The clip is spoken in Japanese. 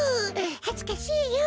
はずかしいよ！